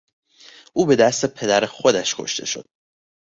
او به دست پدر خودش کشته شد.